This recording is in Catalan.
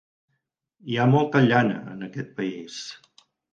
Hi ha molta llana, en aquest país!